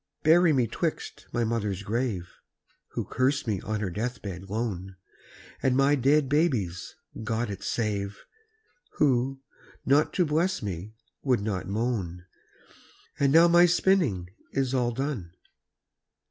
Bury me 'twixt my mother's grave, (Who cursed me on her death bed lone) And my dead baby's (God it save!) Who, not to bless me, would not moan. And now my spinning is all done.